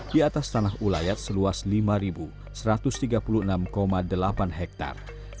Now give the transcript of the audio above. di atas tanah ulayat seluas lima satu ratus tiga puluh enam delapan hektare